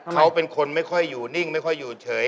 เขาเป็นคนไม่ค่อยอยู่นิ่งไม่ค่อยอยู่เฉย